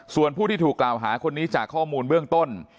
ส่วนผู้ที่ถูกกล่าวหาคนนี้จากข้อมูลเบื้องต้น